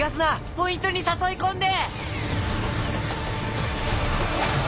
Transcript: ポイントに誘い込んで！